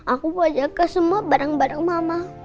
aku mau jaga semua barang barang mama